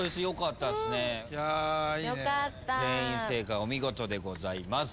全員正解お見事でございます。